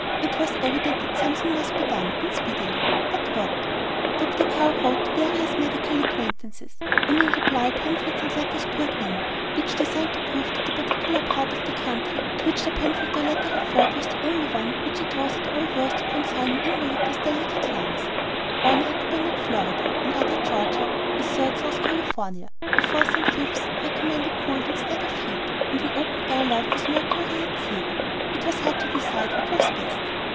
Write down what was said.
It was evident that something must be done, and speedily but what? Dr. Carr wrote to various medical acquaintances, and in reply pamphlets and letters poured in, each designed to prove that the particular part of the country to which the pamphlet or the letter referred was the only one to which it was at all worth while to consign an invalid with delicate lungs. One recommended Florida, another Georgia, a third South Carolina; a fourth and fifth recommended cold instead of heat, and an open air life with the mercury at zero. It was hard to decide what was best.